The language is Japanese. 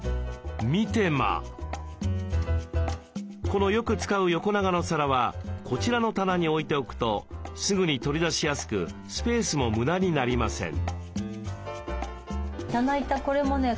このよく使う横長の皿はこちらの棚に置いておくとすぐに取り出しやすくスペースも無駄になりません。